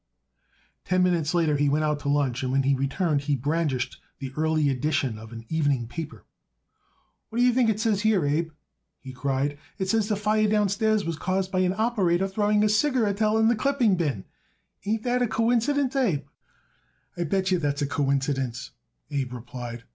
Ten minutes later he went out to lunch and when he returned he brandished the early edition of an evening paper. "What you think it says here, Abe?" he cried. "It says the fire downstairs was caused by an operator throwing a cigarettel in the clipping bin. Ain't that a quincidence, Abe?" "I bet yer that's a quincidence," Abe replied.